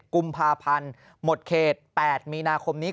กุมภาพันธ์หมดเขต๘มีนาคมนี้